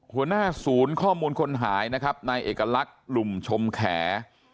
หัวหน้าศูนย์ข้อมูลคนหายนะครับนายเอกลักษณ์หลุมชมแข